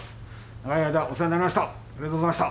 長い間お世話になりました。